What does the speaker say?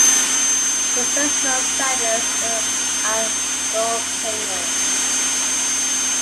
The first known settlers were the Ilocanos.